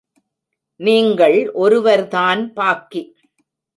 நீங்கள் ஒருவர்தான் பாக்கி.